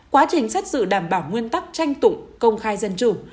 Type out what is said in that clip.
quá trình xét xử đảm bảo nguyên tắc tranh tụng công khai dân chủ